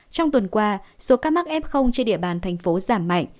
trong tuần qua số ca mắc f trên địa bàn thành phố giảm mạnh